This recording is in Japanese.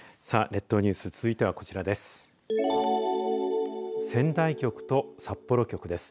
列島ニュース続いてはこちらです。